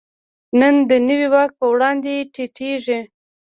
نن د نوي واک په وړاندې ټیټېږي.